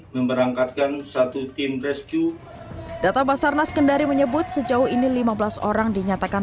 memberangkatkan satu tim rescue data basarnas kendari menyebut sejauh ini lima belas orang dinyatakan